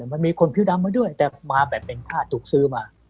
มันมีคนผิวดำมาด้วยแต่มาแบบเป็นค่าถูกซื้อมา